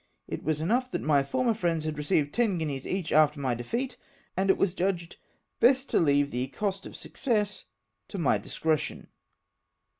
It was enough that my former friends had received ten guineas each after my defeat, and it was judged best to leave the cost of success to my discretion.